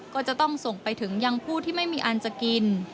ก็จะต้องส่งไปถึงยังผู้ที่ไม่มีอันจะกิน